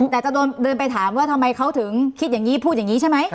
แต่จะเดินไปถามว่าทำไมเขาถึงคิดอย่างนี้พูดอย่างนี้ใช่ไหม